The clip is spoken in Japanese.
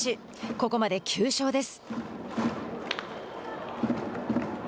ここまで９勝です。